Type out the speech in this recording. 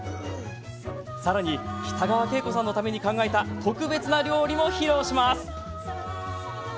さらに、北川景子さんのために考えた特別な料理も披露します。